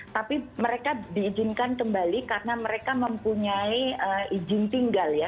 tapi mereka diizinkan kembali karena mereka mempunyai izin tinggal ya